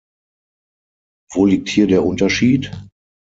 Wo liegt hier der Unterschied?